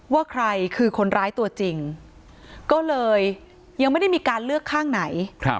ว่าใครคือคนร้ายตัวจริงก็เลยยังไม่ได้มีการเลือกข้างไหน